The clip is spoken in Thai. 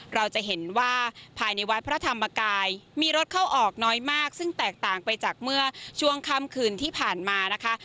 เราจะเห็นว่าภายในวัดพระธรรมกายมีรถเข้าออกน้อยมากซึ่งแตกต่างไปจากเมื่อช่วงค่ำคืนที่ผ่านมานะคะ